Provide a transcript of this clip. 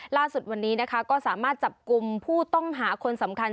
ล่าสุดวันนี้นะคะก็สามารถจับกลุ่มผู้ต้องหาคนสำคัญ